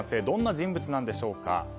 どんな人物なんでしょうか。